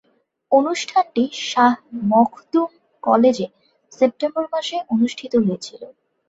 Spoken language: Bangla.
অনুষ্ঠানটি শাহ মখদুম কলেজে সেপ্টেম্বর মাসে অনুষ্ঠিত হয়েছিলো।